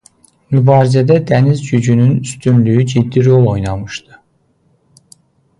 Mübarizədə dəniz gücünün üstünlüyü ciddi rol oynamışdı.